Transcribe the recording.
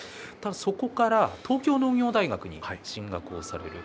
そこから東京農業大学に進学をされる。